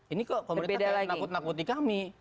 ini kok pemerintah yang menakuti kami